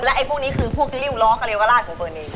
และไอ้พวกนี้คือพวกที่ริ่งร้อกะเลวราดของเฟิร์นเอง